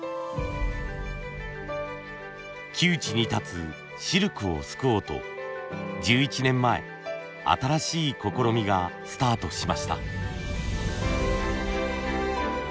窮地に立つシルクを救おうと１１年前新しい試みがスタートしました。